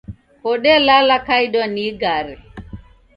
Kodelala kaidwa ni igare